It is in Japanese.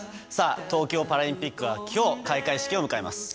東京パラリンピックは今日、開会式を迎えます。